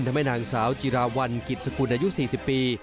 ทำให้นางสาวจิราวัลกิจสกุลอายุ๔๐ปี